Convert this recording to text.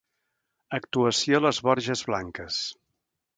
Actuació a les Borges Blanques.